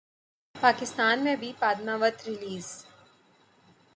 پاکستان میں بھی پدماوت ریلیز